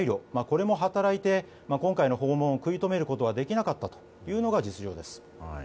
これも働いて今回の訪問を食い止めることができなかったというのが実情です。